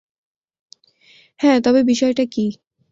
হ্যাঁ, তবে বিষয়টা কি?